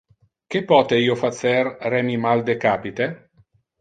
Que pote io facer re mi mal de capite?